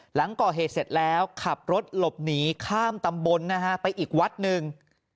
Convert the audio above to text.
หลังก่อเหตุเสร็จแล้วขับรถหลบหนีข้ามตำบลนะฮะไปอีกวัดหนึ่ง